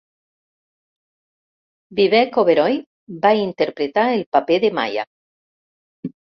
Vivek Oberoi va interpretar el paper de Maya.